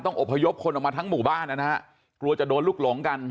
อบพยพคนออกมาทั้งหมู่บ้านนะฮะกลัวจะโดนลูกหลงกัน